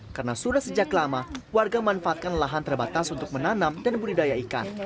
karena sudah sejak lama warga memanfaatkan lahan terbatas untuk menanam dan membudidaya ikan